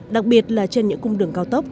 đặc biệt là trên những cung đường cao tốc